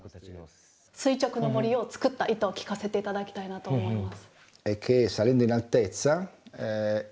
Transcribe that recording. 垂直の森をつくった意図を聞かせていただきたいなと思います。